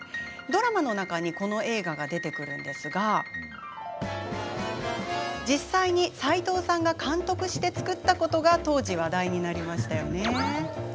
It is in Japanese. ドラマの中にこの映画が出てくるのですが実際に斎藤さんが監督して作ったことが当時、話題になりましたよね。